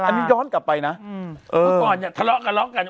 อันนี้ย้อนกลับไปนะเมื่อก่อนเนี่ยทะเลาะกันเลาะกัน